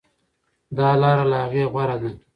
دا لاره له هغې غوره ده.